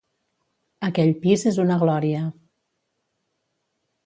Aquell pis és una glòria.